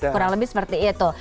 kurang lebih seperti itu